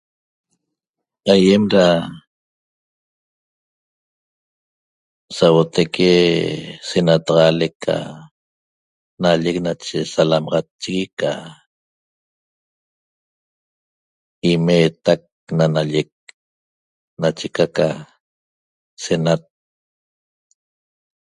Aýem da sauotaique senataxaalec ca nallec nache salamaxatchigui ca imeetac na nallec nacheca ca senat